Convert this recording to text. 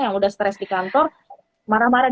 yang udah stres di kantor marah marah